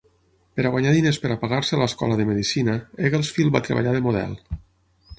Per guanyar diners per pagar-se l'escola de medicina, Egglesfield va treballar de model